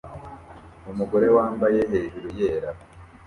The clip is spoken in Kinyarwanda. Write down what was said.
Umugore wambaye hejuru yera